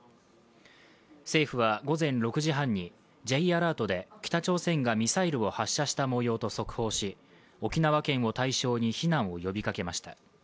政府は午前６時半にＪアラートで北朝鮮がミサイルを発射したもようと速報し沖縄県を対象に避難を呼びかけました。